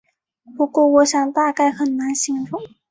不过我想大概很难形容